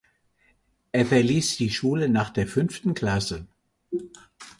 Er verließ die Schule nach der fünften Klasse.